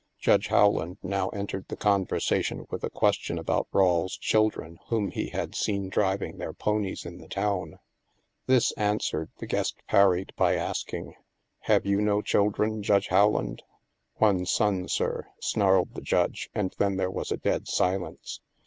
Judge Howland now entered the conversation with a question about Rawle's children whom he had seen driving their ponies in the town. This an swered, the guest parried, by asking: " Have you no children, Judge Howland ?"" One son, sir," snarled the Judge, and then there was a dead silence.